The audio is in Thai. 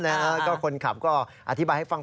แล้วก็คนขับก็อธิบายให้ฟัง